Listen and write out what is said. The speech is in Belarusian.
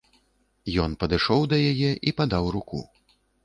Ён падышоў да яе і падаў руку.